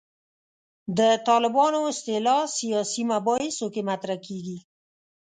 د طالبانو اصطلاح سیاسي مباحثو کې مطرح کېږي.